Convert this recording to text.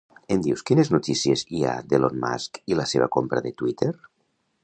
Em dius quines notícies hi ha d'Elon Musk i la seva compra de Twitter?